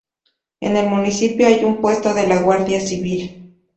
En el municipio hay un puesto de la Guardia Civil.